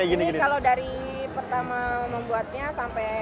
ini kalau dari pertama membuatnya sampai